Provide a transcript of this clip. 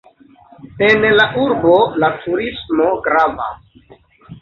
En la urbo la turismo gravas.